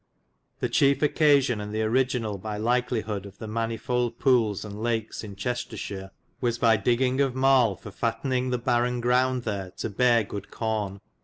The chefe occasion, and the originale by likeHhod, of the manifolde poolys and lakes in Chestershire, was by digginge of marie for fattynge the baren grownd there to beare good come.